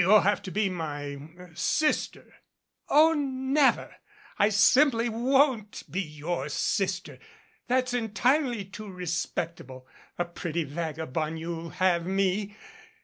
You'll have to be my er sister." 113 MADCAP "Oh, never ! I simply won't be your sister. That's en tirely too respectable. A pretty vagabond you'll have me